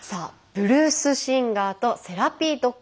ブルースシンガーとセラピードッグ。